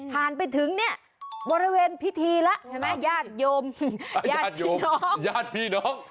ผ่านไปถึงบริเวณพิธีแล้วญาติโยมญาติพี่น้อง